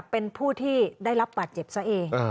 เป็นผู้ที่ได้รับบาดเจ็บซะเอง